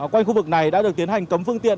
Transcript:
quanh khu vực này đã được tiến hành cấm phương tiện